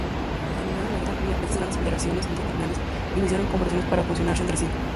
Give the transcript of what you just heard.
Terminada la Guerra Fría estas grandes federaciones internacionales iniciaron conversaciones para fusionarse entre sí.